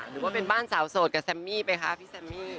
หรือว่าเป็นบ้านสาวโสดกับแซมมี่ไปคะพี่แซมมี่